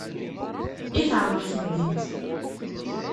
I teɛmer temdint.